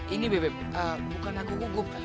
ini beb bukan aku gugup